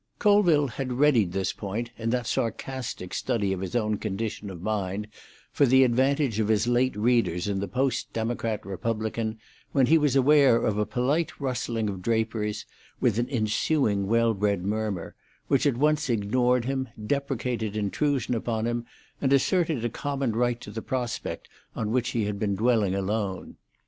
II Colville had readied this point in that sarcastic study of his own condition of mind for the advantage of his late readers in the Post Democrat Republican, when he was aware of a polite rustling of draperies, with an ensuing well bred murmur, which at once ignored him, deprecated intrusion upon him, and asserted a common right to the prospect on which he had been dwelling alone.